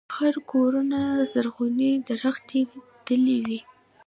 خړ کورونه زرغونې درختي دلې وې